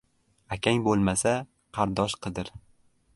• Akang bo‘lmasa, qardosh qidir.